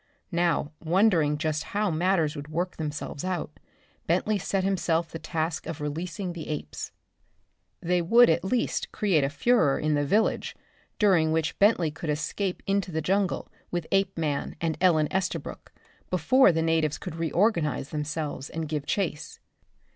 Now, wondering just how matters would work themselves out, Bentley set himself the task of releasing the apes. They would at least create a furor in the village, during which Bentley could escape into the jungle with Apeman and Ellen Estabrook before the natives could reorganise themselves and give chase.